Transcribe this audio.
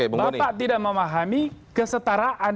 bapak tidak memahami kesetaraan